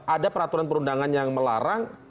ada peraturan perundangan yang melarang